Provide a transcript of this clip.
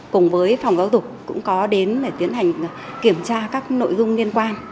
cùng với phòng giáo dục cũng có đến để tiến hành kiểm tra các nội dung liên quan